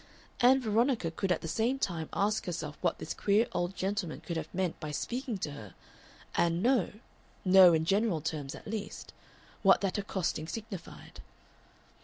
Ann Veronica could at the same time ask herself what this queer old gentleman could have meant by speaking to her, and know know in general terms, at least what that accosting signified.